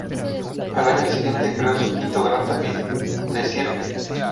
Al año siguiente creó su quinto gran tapiz, "Le Cirque".